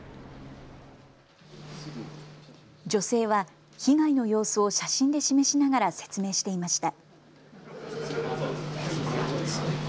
女性は被害の様子を写真で示しながら説明していました。